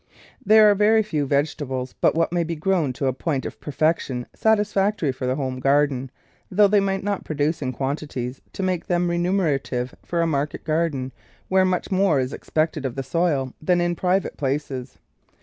There are very few vegetables but what may be grown to a point of perfection satis factory for the home garden, though they might not produce in quantities to make them remunera tive for a market garden where much more is ex pected of the soil than in private places.